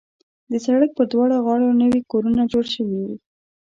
د سړک پر دواړه غاړو نوي کورونه جوړ شوي.